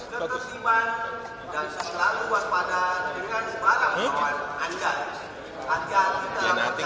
tetap terima kasih dan selalu waspada dengan barang barang anda